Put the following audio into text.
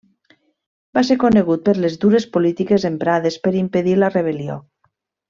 Va ser conegut per les dures polítiques emprades per impedir la rebel·lió.